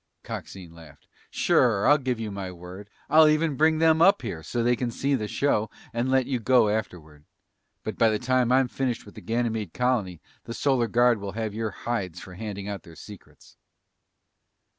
Coxine laughed. "Sure. I'll give you my word. I'll even bring them up here so they can see the show and then let you go afterward. But by the time I'm finished with the Ganymede colony the Solar Guard will have your hides for handing out their secrets."